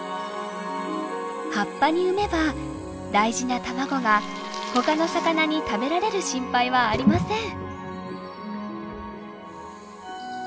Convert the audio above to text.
葉っぱに産めば大事な卵がほかの魚に食べられる心配はありません。